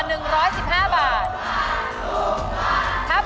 ต้องถูกกว่า๑๑๕บาท